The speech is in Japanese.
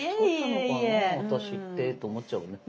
私ってと思っちゃうね。